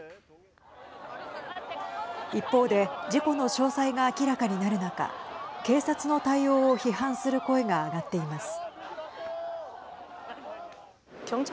一方で事故の詳細が明らかになる中警察の対応を批判する声が上がっています。